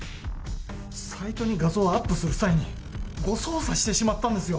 サイトに画像をアップする際に、誤操作してしまったんですよ。